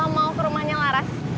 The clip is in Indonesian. mau ke rumahnya laras